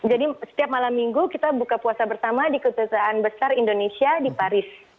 jadi setiap malam minggu kita buka puasa bersama di kedutaan besar indonesia di paris